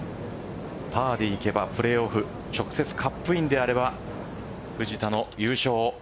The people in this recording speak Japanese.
パーでいけばプレーオフ直接カップインであれば藤田の優勝。